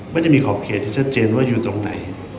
ก็จะมีขอบเขตที่ชัดเจนว่าอยู่ตรงไหน